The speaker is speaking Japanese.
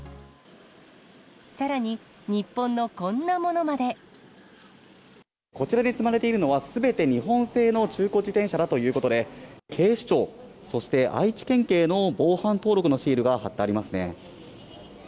さらに、こちらに積まれているのは、すべて日本製の中古自転車だということで、警視庁、そして愛知県警の防犯登録のシールが貼ってありますね。